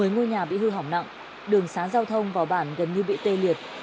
một mươi ngôi nhà bị hư hỏng nặng đường xá giao thông vào bản gần như bị tê liệt